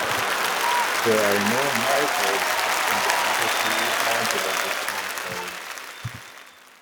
There are no markers as in the amplitude modulated time code.